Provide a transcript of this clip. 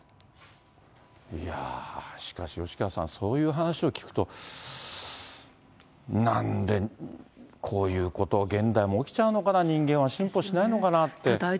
いや、しかし吉川さん、そういう話を聞くと、なんで、こういうこと、現代も起きちゃうのかな、人間は進歩しないのかなって。